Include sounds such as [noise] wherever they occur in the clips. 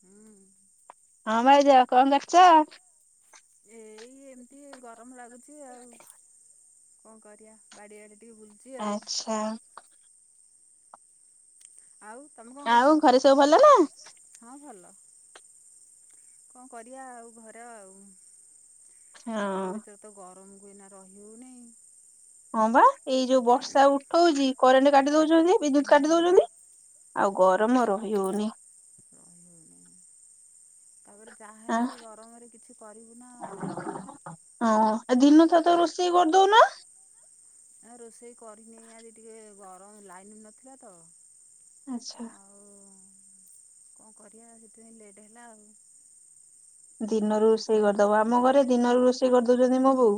ହୁଁ ହଁ ଭାଇ ଯଅ କଣ କରୁଛ? ଏଇ ଏମିତି ଗରମ ଲାଗୁଛି ଆଉ କଣ କରିବା ବାଡିଆଡେ ଟିକେ ବୁଲ ଆଚ୍ଛା ଆଉ ତମେ କଣ ଆଉ ଘରେ ସବୁ ଭଲ ନା? କରୁଛ? ହଁ ଭଲ କଣ କରିବା ଆଉ ଘରେ ଆଉ ଘର ହଁ। ଭିତରେ ତ ଗରମ କୁ ଏଇନା ରହିହଉନି। ହଁ ବା ଏଇ ଯୋଉ ବର୍ଷା ଉଠଉଛି କରେଣ୍ଟ କାଟି ଦଉଛନ୍ତି ବିଦ୍ୟୁତ କାଟି ହୁଁ ଦଉଛନ୍ତି ଆଉ ଗରମ ରହି ହଉନି ରହି ହେଉନି ତାପରେ ଆଁ ଯାହେନେ ବି ଗରମରେ କିଛି କରିବୁ ନା ଆଉ। ହଁ ଏ ଦିନ ଥାଉ ଥାଉ ରୋଷେଇ କରିଦଉନ। ଆ ରୋଷେଇ କରିନି ଆଜି ଟିକେ ଗରମ ଲାଇନ ନଥିଲା ତ ଆଛା ହଉ କଣ କରିବା ସେଥିପାଇଁ ଲେଟ୍ ହେଲା ଆଉ। ଦିନରୁ ରୋଷେଇ କରିବା କରିଦବ ଆଉ ଆମ ଘରେ ଦିନରୁ ରୋଷେଇ କରିଦଉଛନ୍ତି ମୋ ବୋଉ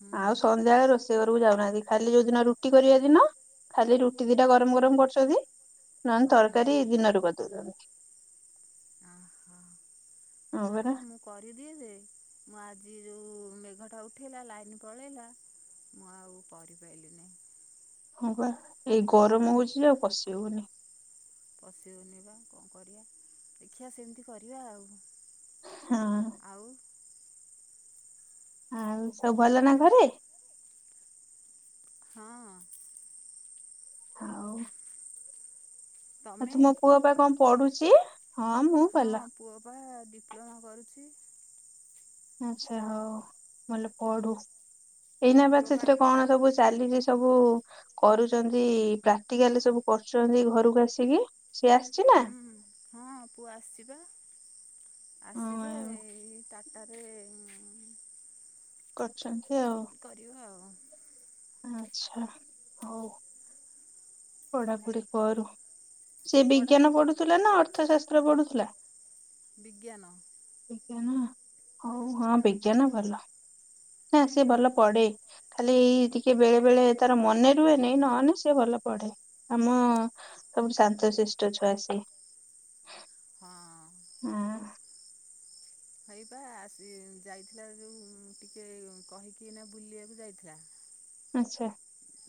ହୁଁ ଆଉ ସ ନ୍ଧ୍ୟାବେଳେ ରୋଷେଇ ଘକୁ ଯାଉନାହାନ୍ତି ଖାଲି ଯୋଉ ଦିନ ରୁଟି କରିବା ଦିନ ଖାଲି ରୁଟି ଦିଟା ଗରମ ଗରମ କରୁଛନ୍ତି। ନା ହୁଁ ତରକାରୀ ଦିନରୁ କରି ଦଉଛନ୍ତି। ହଁ ନା ପରା ମ ମୁ କରିଦିଏ ଯେ ମୁଁ ଆଜି ଯୋଉ ମେଘ ଟା ଉଠେଇଲା ଲାଇନ ପଳେଇଲା ମୁଁ ଆଉ କରିପାରିଲି ନାହିଁ। ହଁ ବା ଏଇ ଗରମ ହଉଛି ଯେ ଆଉ ପଶି ହଉନି। ଦେଖିଆ ସେମିତି କରିବା ଆଉ। ହଁ। ଆଉ? ଆଉ ସବୁ ଭଲ ନା ଘରେ? ହଁ। ହଉ। ଆଉ ତମେ ତୁ ମୋ ପୁଅ ପାଇଁ କଣ ପଢୁଛି ହଁ ମୁଁ ହଁ ଭଲ। ପୁଅ ପା ଡିପ୍ଲୋମା କରୁଛି। ଆଚ୍ଛା ହଉ ଭଲ ପଢୁ ଏଇନା ବା ପୁଅ ପା ସେଥିରେ କଣ ସବୁ ଚାଲିଛି ସବୁ କରୁଛନ୍ତି ପ୍ରାକ୍ଟିକାଲ ସବୁ କରୁଛନ୍ତି ଘରକୁ ଆସିକି ସେ ହୁଁ। ହଁ ପୁଅ ଆସିଚି ପା। ହଁ ଆସିଚି ଯେ-ଏ-ଏ ଏ ଟାଟାରେ-ଏ କରୁଛନ୍ତି ଆଉ। କରିବା ଆଉ। ଆଛା ହଉ। ପଢାପଢି କରୁ, ସେ ବିଜ୍ଞାନ ପଢ଼ାପଢ଼ି ପଢୁଥିଲା ନା ଅର୍ଥଶାସ୍ତ୍ର ପଢୁଥିଲା? ବିଜ୍ଞାନ। ବିଜ୍ଞାନ ହୋଉ ହଁ ବିଜ୍ଞାନ ଭଲ। ହଁ ସିଏ ଭଲ ପଢେ। ଖାଲି ଏଇ ଟିକେ ବେଳେ ବେଳେ ତାର ମନେ ରୁହେନି ନହେଲେ ସିଏ ଭଲ ପଢେ। ଆମ-ଅ-ଅ-ଅ ସବୁଠୁ ଶାନ୍ତ ଶିଷ୍ଠ ଛୁଆ ସେ। ହଁ। ହଁ ଏଇପା ଆସ୍ ଏ ଯାଇଥିଲା ଯୋଉ ଟିକେ କହିକି ନା ବୁଲିବାକୁ ଯାଇଥିଲା। ଆଛା।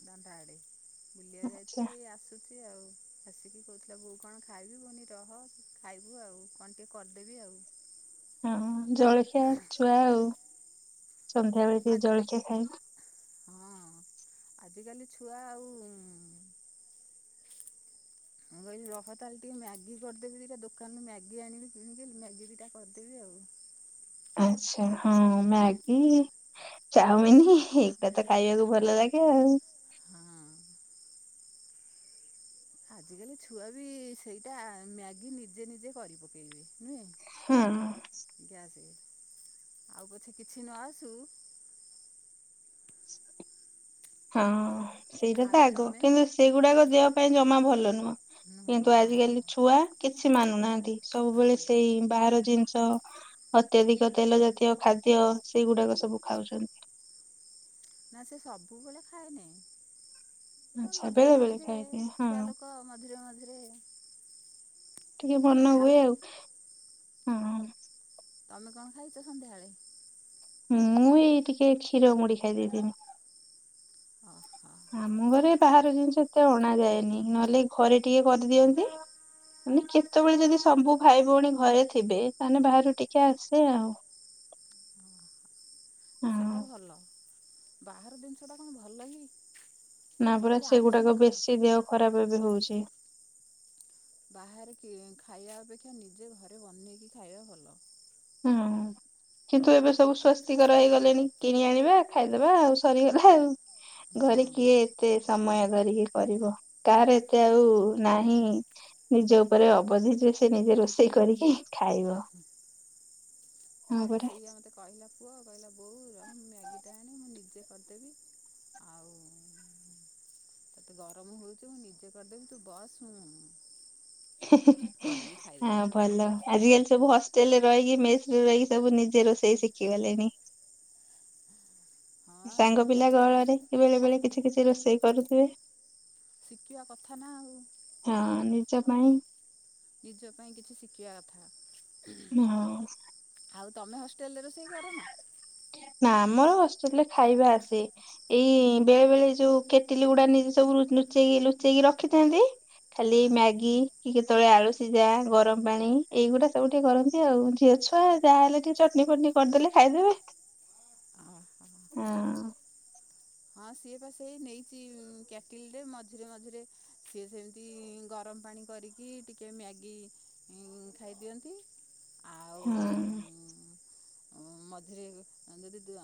ଦାଣ୍ଡା ଆଡେ ବୁଲିବା ଆଚ୍ଛା ଯାଇଥିଲେ ଏଇ ଆସୁଛି। ଏମିତି ଆଉ ଆସିକି କହୁଥିଲା ବୋଉ କଣ ଖାଇବି ମୁଁ କହିଲି ରହ। ଖାଇବୁ ଆଉ କଣ ଟିକେ କରିଦେବି ଆଉ। ହଁ ଜଳଖିଆ ଛୁଆ ଆଉ ସନ୍ଧ୍ୟାବେଳେ ଆ ଟିକେ ଜଳଖିଆ ଖାଇ- ହଁ ଆଜିକାଲି ଛୁଆ ଆଉ। ମୁଁ କହିଲି ରହ ତାହେଲେ ଟିକେ ମ୍ୟାଗି କରିଦେବି ଦିଟା ଦୋକାନରୁ ମ୍ୟାଗି ଆଣିଲି କିଣିକି ମ୍ୟାଗି ଦିଟା କରିଦେବି ଆଉ। ଆଛା ହଁ ମ୍ୟାଗି ଚାଉମିନ ଏଟା ତ ଖାଇବାକୁ ଭଲ ଲାଗେ ଆଉ। ହଁ। ଆଜିକାଲି ଛୁଆ ବି-ଇ-ଇ-ଇ ସେଇଟା ମ୍ୟାଗି ନିଜେ ନିଜେ କରି ପକେଇବେ ନୁହେଁ। ହୁଁ। ଆଉ ପଛେ କିଛି ନ ଆସୁ। ହଁ ସେଇଟା ତ ଆଉ ଆଗ ତମେ କିନ୍ତୁ ସେଗୁଡାକ ଦେହ ପାଇଁ ଜମା ଭଲ ନୁହଁ। ନୁହେଁ କିନ୍ତୁ ହଁ ଆଜିକାଲି ନା ଛୁଆ କିଛି ମାନୁନାହାନ୍ତି। ସବୁବେଳେ ନା ସେଇ ବାହାର ଜିନିଷ। ଅତ୍ୟଧିକ ତେଲ ଜାତୀୟ ଖାଦ୍ୟ ସେଗୁଡାକ ସବୁ ଖାଉଛନ୍ତି। ନା ସେ ସବୁବେଳେ ଖାଏନି। ଆଚ୍ଛା ମଝିରେ ବେଳେ ବେଳେ ମଝିରେ ଖାଇଦିଏ ହଁ ଛୁଆ ଲୋକ ମଝିରେ ମଝିରେ ଟିକେ ମନ ହୁଏ ଆଉ ହଁ। ତମେ କଣ ଖାଇଛ ସନ୍ଧ୍ୟାବେଳେ? ମୁଁ ଏଇ ଟିକେ କ୍ଷୀର ମୁଢି ଖାଇ ଦେଇଥିଲି। ଓହୋ [inaudible] ଆମ ଘରେ ବାହାର ଜିନିଷ ଏତେ ଅଣାଯାଏନି ନହେଲେ ଘରେ ଟିକେ କରିଦିଅନ୍ତି। ମାନେ କେତେବେଳେ ଯଦି ସବୁ ଭାଇ ଭଉଣୀ ଘରେ ଥିବେ ତାହେଲେ ବାହାରୁ ଟିକେ ଆସେ ଆଉ। ଓ ହଁ। ସେଟା ଭଲ। ବାହାର ଜିନିଷ ଟା କଣ ଭଲ କି। ନା ପରା ଆଜିକାଲି ଆମେ ସିନା ସେଗୁଡାକ ଖା ବେଶୀ ଦେହ ଖରାପ ବି ହଉଛି। ବାହାରେ କିଏ ଖାଇବା ଅପେକ୍ଷା ନିଜେ ଘରେ ବନେଇକି ଖାଇବା ଭଲ। ହଁ। [inaudible] କିନ୍ତୁ ଏବେ ସବୁ ସ୍ଵାସ୍ତିକାର ହେଇଗଲେଣି କିଣି ଆଣିବା ଖାଇଦେବା ଆଉ ସରିଗଲା ଆଉ। ହଁ ଘରେ କିଏ ଏତେ ସମୟ ଧରିକି କରିବ କାହାର ଏତେ ଆଉ ନାହିଁ ନିଜ ଉପରେ ଅବଧି ଯେ ସେ ନିଜେ ରୋଷେଇ କରିକି ଖାଇବ। ହଁ ଆବା ପରା। ସେଇଆ ମତେ କହିଲା ପୁଅ କହିଲା ବୋଉ ଯାଉନୁ ମ୍ୟାଗିଟା ଆଣେ ମୁଁ ନିଜେ କରିଦେବି ଆଉ ଗରମ ହଉଛି ମୁଁ ନିଜେ କରିଦେବି ତୁ ବସ୍ ଶୁଣୁ। ମୋର ଭଲ ଆଜିକାଲି ସବୁ ହଷ୍ଟେଲରେ ରହିକି ମେସ୍ ରେ ରହିକି ସବୁ ନିଜେ ରୋଷେଇ ଶିଖିଗଲେଣି। ହଁ ସାଙ୍ଗ ସେ ପିଲା ସବୁ ଗହଳରେ କି ବେଳେ ବେଳେ କିଛି କିଛି ରୋଷେଇ କରୁଥିବେ। ଶିଖିବା କଥା ନା ଆଉ। ହଁ ନିଜ ପାଇଁ। ନିଜ ପାଇଁ କିଛି ଶିଖିବା କଥା। ହଁ। ଆଉ ତମେ ହଷ୍ଟେଲ ରେ ରୋଷେଇ କର ନା? ନା ଆମର ହଷ୍ଟେଲ ରେ ଖାଇବା ଆସେ। ଏଇ ବେଳେ ବେଳେ ଯୋଉ କେଟିଲି ଗୁଡା ନି ସବୁ ଲୁଚେଇକି ଲୁଚେଇକି ରଖିଥାନ୍ତି। ଖାଲି ହଁ ମ୍ୟାଗି କି କେତବେଳେ ଆଳୁ ସିଝା ଗରମ ପାଣି ଏଇଗୁଡା ସବୁ ଟିକେ କରନ୍ତି। ଆଉ ଝିଅ ଛୁଆ ଯାହା ହେଲେ କି ଚଟନୀ ଫଟନି କରିଦେଲେ ଖାଇଦେବେ। ଓହୋ। ହୁଁ। ହଁ ସିଏ ବା ସେଇ ନେଇଚି କ୍ୟାଟଲି ରେ ମଝିରେ ମଝିରେ ସିଏ ସେମିତି ଗରମ ପାଣି କରିକି ଟିକେ ମ୍ୟାଗି ହୁଁ ଖାଇଦିଅନ୍ତି। ଆଉ ହୁଁ। ମଝିରେ ଯେଦି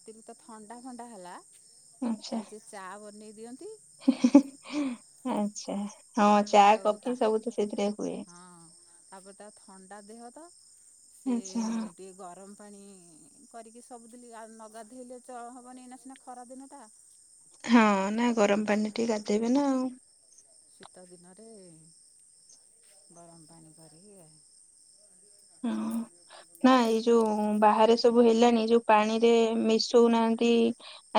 ଅତିରିକ୍ତ ଥଣ୍ଡା ଫଣ୍ଡା ହେଲା ତାହେଲ ସେ ଚାଆ ବନେଇ ଦିଅନ୍ତି। ହିଁ ହିଁ ହିଁ ଆଚ୍ଛା ହଁ ଚା ଆଉ ତା କଫି ସବୁ ତ ସେଥିରେ ହୁଏ। ହଁ ତାପରେ ତା ଥଣ୍ଡା ଦେହ ତ ସେ ଆଚ୍ଛା ହଁ। ଟିକ୍ ଗରମ ପାଣି କରିକି ସବୁଦିନ ଗା ନଗାଧେଇଲେ ଚଳ ହବନି ନା ସିନା ଖରା ଦିନଟା। ହଁ ନା ଗରମ ପାଣିରେ ଟିକେ ଗାଧେଇବେ ନା ଆଉ। ଶୀତ ଦିନରେ ଗରମ ପାଣି କରିକି ହୁଁ। ନା ଏଇ ଯୋଉ ବାହାରେ ସବୁ ହେଲାଣିି ଯୋଉ ପାଣିରେ ମିଶଉନାହାନ୍ତି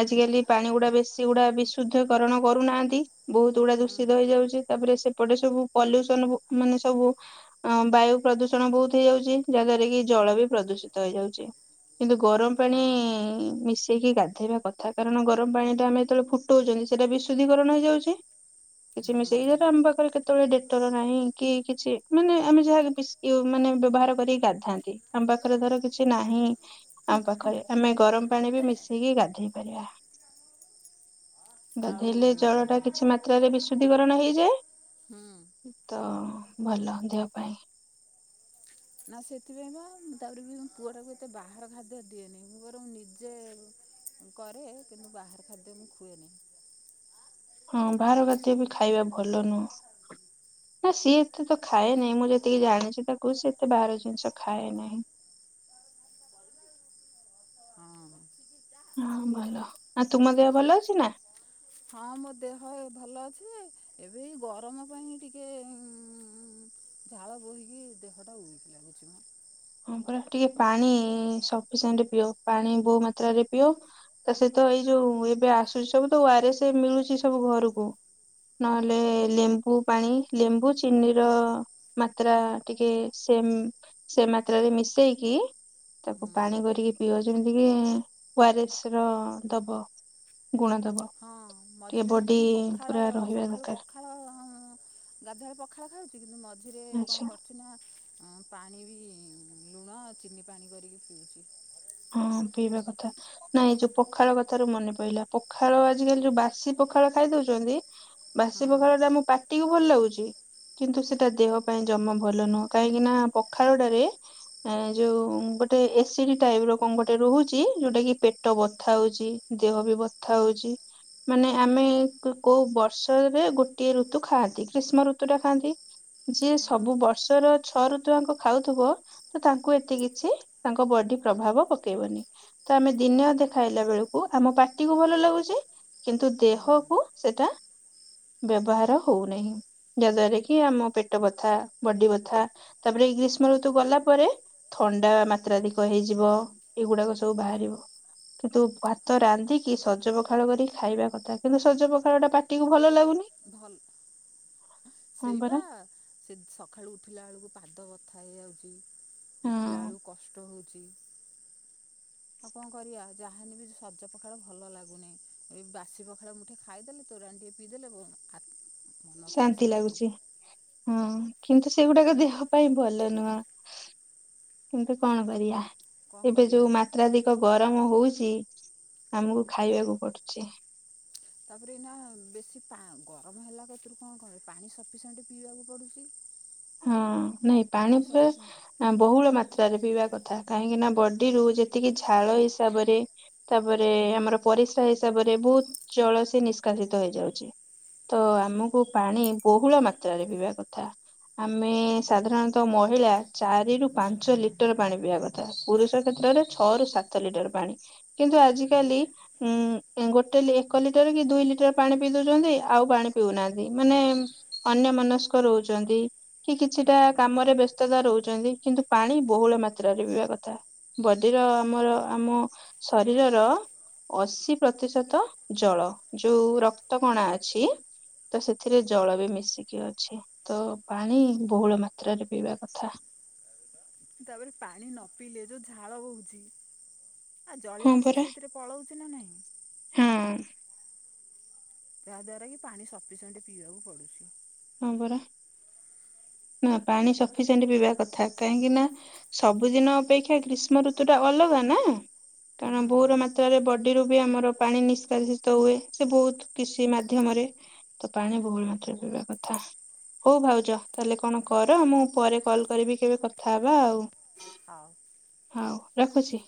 ଆଜିକାଲି ପାଣି ଗୁଡା ବେଶୀ ଗୁଡା ବିଶୁଦ୍ଧକରଣ କରୁନାହାନ୍ତି। ବହୁତ ଗୁଡା ଦୂଷିତ ହେଇଯାଉଚି। ତାପରେ ସେପଟେ ସବୁ ପଲ୍ୟୁସନ ମାନେ ସବୁ ଅଁ ବାୟୁ ପ୍ରଦୂଷଣ ବହୁତ୍। ହେଇଯାଉଚି। ଯାହାଦ୍ୱାରା କି ଜଳ ବି ପ୍ରଦୂଷିତ ହେଇଯାଉଚି। କିନ୍ତୁ ଗରମ ପାଣି ହଁ ମିଶି ଶେଇକି ଗାଧେଇବା କଥା କାରଣ ଗରମ ପାଣି ଟା ଆମେ ଯେତେବେଳେ ଫୁଟଉଚନ୍ତି ସେଇଟା ବି ଶୁଦ୍ଧିକରଣ ହେଇଯାଉଚି। କିଛି ମିଶେଇଲେ ହୁଁ ତ ଆମ୍ ପାଖରେ କେତ୍ କେତବେଳେ ଡେଟଲ ନାହିଁ କି କିଛି ମାନେ ଆମେ ଯାହାକି ବିଶ୍ ୟୁ ମାନେ ବ୍ୟବହାର କରିକି ଗାଧାନ୍ତି। ଆମ ପାଖରେ ଧର କିଛି ନାହିଁ। ଆମ ପାଖରେ ଆମେ ଗରମ ପାଣି ବି ମିଶିକି ଗାଧେଇ ପାରିବା। ଆଉ ଗାଧେଇଲେ ଜଳ ଟା କିଛି ମାତ୍ରାରେ ବିଶୁଦ୍ଧିକରଣ ହେଇଯାଏ। ହୁଁ। ତ ଭଲ ଦେହ ପାଇଁ। ନା ସେଥିପାଇଁ ବା ମୁଁ ତାପରେ ବି ମୁଁ ପୁଅ ଟାକୁ ଏତେ ବାହାର ଖାଦ୍ୟ ଦିଏନି। ବରଂ ନିଜେ କରେ କିନ୍ତୁ ବାହାର ଖାଦ୍ୟ ମୁଁ ଖୁଏନି। ହଁ ବାହାର ଖାଦ୍ୟ ବି ଖାଇବା ଭଲ ନୁହଁ। ନା ସିଏ ଏତେ ତ ଖାଏ ନାହିଁ ମୁଁ ଯେତିକି ଜାଣିଛି ତାକୁ ସିଏ ଏତେ ବାହାର ଜିନିଷ ଖାଏ ନାହିଁ। ହଁ। ହଁ ଭଲ। ଆଉ ତୁମ ଦେହ ଭଲ ଅଛି ନା? ହଁ ମୋ ଦେହ ଏ ଭଲ ଅଛି ଯେ ଏବେ ଏଇ ଗରମ ପାଇଁ ଟିକେ ଉଁ ଉଁ ଝାଳ ବୋହିକି ଦେହଟା ଉଇକି ଲାଗୁଚି। ହଁ ପୁରା ଟିକେ ପାଣିି ସଫିସେଣ୍ଟ୍ ପିଅ। ପାଣି ବହୁ ମାତ୍ରରେ ପିଅ। ତା ସହିତ ଏଇ ଯୋଉ ଏବେ ଆସୁଚି ସବୁ ତ ୱାରେସ୍ ମିଳୁଚି ସବୁ ଘରୁକୁ। ନହେଲେ ଲେମ୍ବୁ ପାଣି ଲେମ୍ବୁ ଚିନି ର ଅ ମାତ୍ରା ଟିକେ ସେମ୍ ସେ ମାତ୍ରାରେ ମିଶେଇକି ତାକୁ ହୁଁ ପାଣି କରିକି ପିଅ। ଯେମିତିକ ୱାରେସ୍ ର ଦବ। ଗୁଣ ଦବ। ହଁ ଟିକେ ମଝିରେ ମଝିରେ ବଡି ମୁଁ ପଖାଳ ପୁରା ରହିବା ସକାଳୁ ଦରକାର ପଖ୍ ହଁ ହଁ ହଁ ହଁ ଗାଧୁଆବେଳେ ପଖାଳ ଖାଉଛି କିନ୍ତୁ ମଝିରେ ଆଚ୍ଛା କଣ କରୁଛୁ ନା ପାଣି ବି ଲୁଣ ଚିନି ପାଣି କରିକି ପିଉଛି। ହଁ ପିଇବା କଥା। ନାଇଁ ଯୋଉ ପଖାଳ କଥାରୁ ମନେ ପିଇଲା ପଖାଳ ଆଜିକାଲି ଯୋଉ ବାସି ପଖାଳ ଖାଇ ଦଉଛନ୍ତି ବାସି ହଁ ପଖାଳ ଟା ମୁଁ ପା ଟିକୁ ଭଲ ଲାଗୁଛି କିନ୍ତୁ ସେଟା ଦେହ ପାଇଁ ଜମା ଭଲ ନୁହଁ କାହିଁକି ନା ପଖାଳଟାରେ ଏ ଯୋଉ ଗୋଟେ ଏ ସି ଡି ଟାଇପ୍ ର କଂ ଗୋଟେ ରହୁଛି ଯୋଉଟା କି ପେଟ ବଥା ହଉଛି ଦେହ ବି ବଥା ହଉଛି। ମାନେ ଆମେ କ-କୋଉ ବର୍ଷରେ ଗୋଟିଏ ଋତୁ ଖାଆନ୍ତି ଗ୍ରୀଷ୍ମ ଋତୁ ଟା ଖାଆନ୍ତି। ଯିଏ ସବୁ ହଁ ବର୍ଷର ଛଅ ଋତୁଆଙ୍କ ଖାଉଥିବ। ତ ତାଙ୍କୁ ଏତେ କିଛି ତାଙ୍କ ବଡି ପ୍ରଭାବ ପକେଇବନି। ତ ଆମେ ଦିନେ ଅଧେ ଖାଇଲା ବେଳକୁ ଆମ ପାଟି କୁ ଭଲ ଲାଗୁଛି। କିନ୍ତୁ ହୁଁ ଦେହକୁ ସେଟା ବ୍ୟବହାର ହଉନେହିଁ। ଯାଦ୍ୱାରା କି ଆମ ପେଟ ବଥା ବଡି ବଥା ତାପରେ ଏଇ ଗ୍ରୀଷ୍ମ ଋତୁ ଗଲା ପରେ ଥଣ୍ଡା ମାତ୍ରାଧିକ ହେଇଯିବ ଏଗୁଡ଼ାକ ସବୁ ବାହାରିବ। କିନ୍ତୁ ଭାତ ରାନ୍ଧିକି ସଜ ପଖାଳ କରିକି ଖାଇବା କଥା କିନ୍ତୁ ସଜ ପଖାଳ ଟା ପାଟିକୁ ଭଲ ଲାଗୁନି। ଭଲ ହଁ ସେଇ ପା ପରା ସେ ସଖାଳୁ ଉଠିଲା ବେଳକୁ ପାଦ ବଥା ହେଇଯାଉଛି ଉଠିଲା ହଁ ବେଳକୁ କଷ୍ଟ ହଉଛି। ଆଉ କଣ କରିବା ଯାହାଲେ ବି ସଜ ପଖାଳ ଭଲ ଲାଗୁନିଁ। ଏଇ ବାସି ପଖଳା ମୁଠେ ଖାଇଦେଲେ ତୋରାଣି ଟିକେ ପିଇଦେଲେ ଓ ହା ଶାନ୍ତି ଲାଗୁଛି ହଁ କିନ୍ତୁ ସେଗୁଡ଼ାକ ଦେହ ପାଇଁ ଭଲ ନୁହଁ। କିନ୍ତୁ କଣ କରିବା? କ'ଣ ଏବେ କରିବା ଯୋଉ ମାତ୍ରାଧିକ ଗରମ ହଉଛି ଆମକୁ ଖାଇବାକୁ ପଡୁଛି। ତାପରେ ଏଇନା ବେଶୀ ପା ଗରମ ହେଲା କତରୁ କଣ କରିବ ପାଣି ସଫିସିଏଣ୍ଟ ପିଇବାକୁ ପଡ଼ୁଛି। ହଁ ନାଇଁ ପାଣି ପ ବହୁଳ ମାତ୍ରାରେ ପିଇବା କଥା କାହିଁକି ନା ବଡିରୁ ଯେତିକି ଝାଳ ହିସାବରେ ତାପରେ ଆମର ପରିସ୍ରା ହିସାବରେ ବହୁତ ଜଳ ସେ ନିଷ୍କାସିତ ହେଇଯାଉଛି। ତ ଆମକୁ ପାଣି ବହୁଳ ମାତ୍ରାରେ ପିଇବା କଥା। ଆମେ ସାଧାରଣତଃ ମହିଳା ଚାରି ରୁ ପାଞ୍ଚ ଲିଟର ପାଣି ପିଇବା କଥା। ପୁରୁଷ କ୍ଷେତ୍ରରେ ଛଅ ରୁ ସାତ ଲିଟର ପାଣି କିନ୍ତୁ ଆଜି କାଲି ଉଁ ଗୋଟେ ଏକ ଲିଟର କି ଦୁଇ ଲିଟର ପାଣି ପିଇ ଦଉଛନ୍ତି ଆଉ ପାଣି ପିଉନାହାନ୍ତି ମାନେ ଅନ୍ୟ ମନସ୍କ ରହୁଛନ୍ତି। କି କିଛିଟା ହୁଁ କାମରେ ବ୍ୟସ୍ତତା ରହୁଛନ୍ତି କିନ୍ତୁ ପାଣି ବହୁଳ ମାତ୍ର ରେ ପିଇବା କଥା। ବଡିର ଆମର ଆମ ଶରୀରର ଅଶି ପ୍ରତିଶତ ଜଳ ଯୋଉ ରକ୍ତ କଣା ଅଛି ତ ସେଥିରେ ଜଳ ବି ମିଶିକି ଅଛି ତ ପାଣି ବହୁଳ ମାତ୍ରାରେ ପିଇବା କଥା। ତାପରେ ପାଣି ନ ପିଇଲେ ଯୋଉ ଝାଳ ବହୁଛି ଆ ଜଳୀୟ ହଁ ଅଂଶ ପରା ସେଇଥିରେ ପଳଉଛି ନା ନାଇଁ ହଁ ଯାହାଦ୍ୱାରା କି ପାଣି ସଫିସିଏଣ୍ଟ ପିଇବାକୁ ପଡ଼ୁଛି। ହଁ ପରା ହଁ ପାଣି ସଫିସିଏଣ୍ଟ ପିଇବା କଥା କାହିଁକି ନା ସବୁଦିନ ଅପେକ୍ଷା ଗ୍ରୀଷ୍ମ ଋତୁ ଟା ଅଲଗା ନା, କାରଣ ହୁଁ ବୋଉର ମା ତ୍ରାରେ ବଡିରୁୁ ବି ଆମର ପାଣି ନିଷ୍କାସିତ ହୁଏ ସେ ବହୁତ କିଛି ମାଧ୍ୟମରେ ତ ପାଣି ବୋହୁଳ ମାତ୍ରାରେ ପିଇବା କଥା। ହଉ ଭାଉଜ ତାହେଲେ କଣ ହଁ କର ମୁଁ ପରେ କଲ କରିବି କେବେ କଥାହବା ଆଉ। ହଉ। ହଉ ରଖୁଛି।